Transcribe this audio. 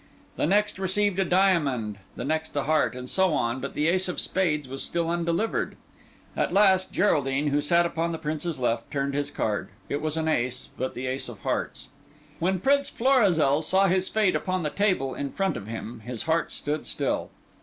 The next received a diamond, the next a heart, and so on; but the ace of spades was still undelivered. At last, Geraldine, who sat upon the Prince's left, turned his card; it was an ace, but the ace of hearts. When Prince Florizel saw his fate upon the table in front of him, his heart stood still.